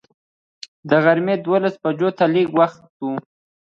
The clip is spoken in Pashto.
د غرمې دولس بجو ته لږ وخت و.